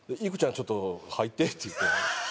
ちょっと入って」って言って。